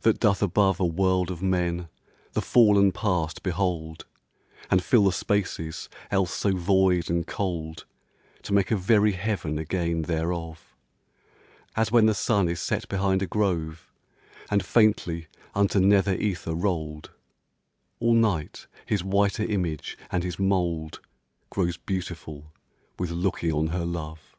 that doth above A world of men, the sunken Past behold, And colour spaces else too void and cold, To make a very heaven again thereof; As when the sun is set behind a grove, And faintly unto nether ether rolled, All night, his whiter image and his mould Grows beautiful with looking on her love.